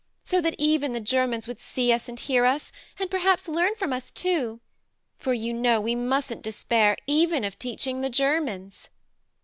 So that even the Germans would see us and hear us, and perhaps learn from us too ? for you know we mustn't despair even of teaching the Germans